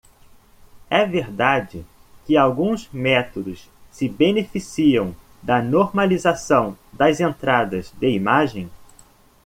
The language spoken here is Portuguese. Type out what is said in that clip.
É verdade que alguns métodos se beneficiam da normalização das entradas de imagem.